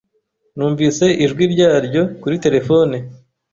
Numvise ijwi rya Ryo kuri terefone.